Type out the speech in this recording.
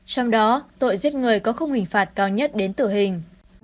trong đó tội giết người có khung hình phạt cao nhất đến tử hình